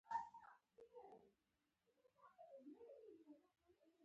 هغه د دیني علومو او حکومتي کارونو سربېره شاعره وه.